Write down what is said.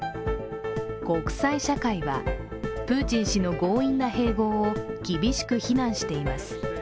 国際社会はプーチン氏の強引な併合を厳しく非難しています。